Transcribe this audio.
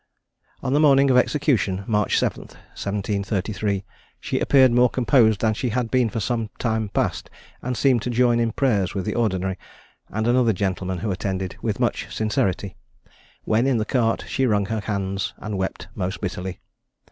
On the morning of execution, March 7, 1733, she appeared more composed than she had been for some time past, and seemed to join in prayers with the Ordinary, and another gentleman who attended, with much sincerity. When in the cart, she wrung her hands and wept most bitterly.